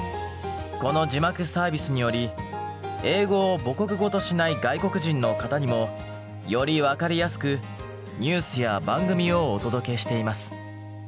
この字幕サービスにより英語を母国語としない外国人の方にもより分かりやすくニュースや番組をお届けしています。